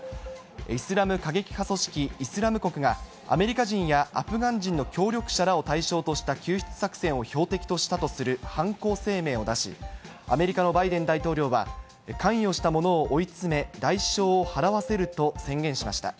イスラム過激派組織イスラム国が、アメリカ人やアフガン人の協力者らを対象とした救出作戦を標的としたとする犯行声明を出し、アメリカのバイデン大統領は、関与したものを追い詰め、代償を払わせると宣言しました。